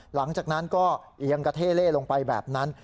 หลังจากนั้นก็เอียงกระเท่เล่ลงไปแบบนั้น